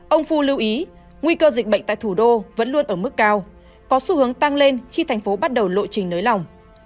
ông phu lưu ý nguy cơ dịch bệnh tại thủ đô vẫn luôn ở mức cao có xu hướng tăng lên khi thành phố bắt đầu lộ trình nới lỏng